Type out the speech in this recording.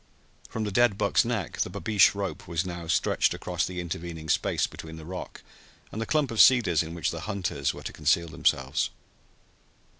From the dead buck's neck the babeesh rope was now stretched across the intervening space between the rock and the clump of cedars in which the hunters were to conceal themselves.